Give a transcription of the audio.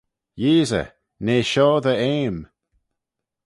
Yeesey! nee shoh dty eam?